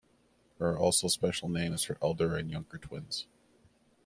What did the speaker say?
There are also special names for elder and younger twins.